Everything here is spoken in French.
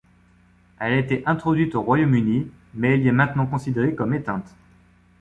Elle a été introduite au Royaume-Uni mais elle y est maintenant considérée comme éteinte.